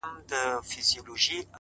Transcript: دا عيسی ابن مريم درپسې ژاړي!